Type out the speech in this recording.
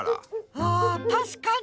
あたしかに。